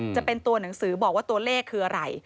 จะเป็นตัวหนังสือบอกว่าตัวเลขคืออะไร